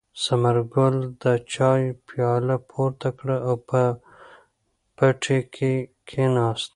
ثمرګل د چای پیاله پورته کړه او په پټي کې کېناست.